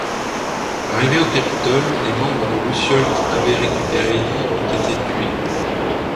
Arrivés au capitole, les membres de Lucioles qui devaient récupérer Ellie ont été tués.